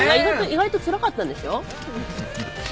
意外とつらかったんですよ。